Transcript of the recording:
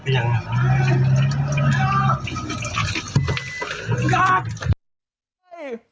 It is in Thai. อ๋อเป็นอย่างนั้น